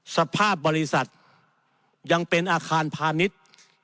สภาพบริษัทยังเป็นอาคารพาณิชย์